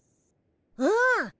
うん。